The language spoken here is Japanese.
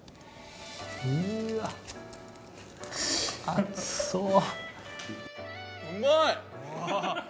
熱そう。